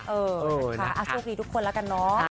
เออนะคะโชคดีทุกคนแล้วกันเนาะ